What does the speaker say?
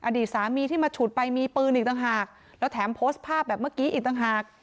อดีตสามีที่มาฉุดไปมีปืนอีกต่างหากแล้วแถมโพสต์ภาพแบบเมื่อกี้อีกต่างหาก